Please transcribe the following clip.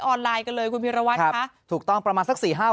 ออนไลน์กันเลยคุณพิรวัตรค่ะถูกต้องประมาณสักสี่ห้าวัน